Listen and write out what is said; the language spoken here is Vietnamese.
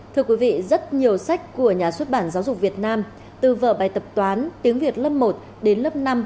thưa quý vị rất nhiều sách của nhà xuất bản giáo dục việt nam từ vở bài tập toán tiếng việt lớp một đến lớp năm